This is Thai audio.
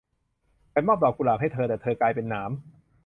ฉับมอบดอกกุหลาบให้เธอ แต่เธอกลายเป็นหนาม